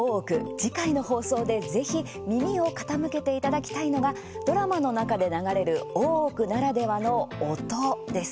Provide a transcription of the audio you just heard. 次回の放送でぜひ耳を傾けていただきたいのがドラマの中で流れる「大奥」ならではの音です。